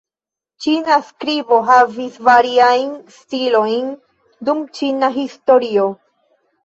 Ĉina skribo havis variajn stilojn dum ĉina historio.